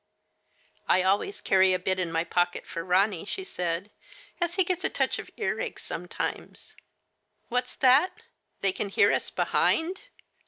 " I always carry a bit in my pocket for Ronny," she said, " as he gets a touch of earache some times. What's that ? They can hear us behind